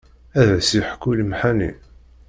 Ad as-yeḥku lemḥani.